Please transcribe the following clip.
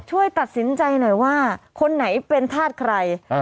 ช่วยตัดสินใจหน่อยว่าคนไหนเป็นธาตุใคร